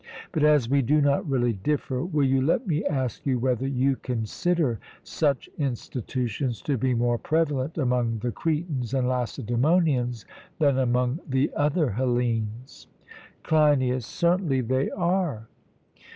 But as we do not really differ, will you let me ask you whether you consider such institutions to be more prevalent among the Cretans and Lacedaemonians than among the other Hellenes? CLEINIAS: Certainly they are.